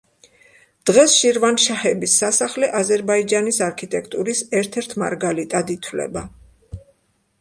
დღეს შირვანშაჰების სასახლე აზერბაიჯანის არქიტექტურის ერთ-ერთ მარგალიტად ითვლება.